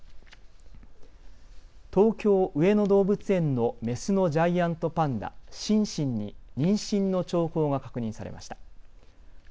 東京、上野動物園のメスのジャイアントパンダ、シンシンに妊娠の兆候が確認されました。